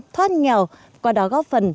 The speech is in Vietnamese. thoát nghèo qua đó góp phần